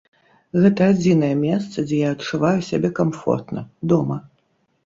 Гэта адзінае месца, дзе я адчуваю сябе камфортна, дома.